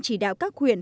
chỉ đạo các huyện